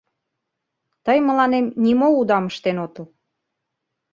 Тый мыланем нимо удам ыштен отыл.